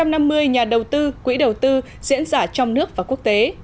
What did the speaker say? hai trăm năm mươi nhà đầu tư quỹ đầu tư diễn giả trong nước và quốc tế